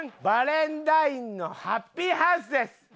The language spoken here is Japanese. バレン大ンのハッピーハウスです。